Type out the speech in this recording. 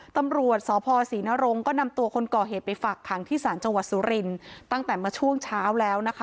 ตำรวจสพศรีนรงค์ก็นำตัวคนก่อเหตุไปฝากขังที่ศาลจังหวัดสุรินทร์ตั้งแต่เมื่อช่วงเช้าแล้วนะคะ